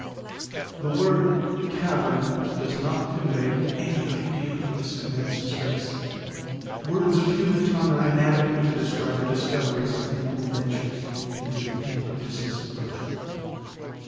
The word cavern does not convey any idea of this immense space; words of human tongue are inadequate to describe the discoveries of him who ventures into the deep abysses of earth.